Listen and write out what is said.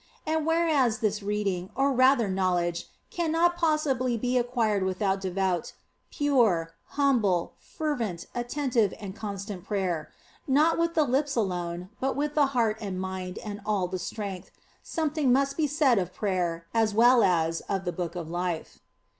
And whereas this reading, or rather knowledge, cannot possibly be ac quired without devout, pure, humble, fervent, attentive, and constant prayer (not with the lips alone, but with the heart and mind and all the strength), something must be said of prayer, as well as of the Book of Life.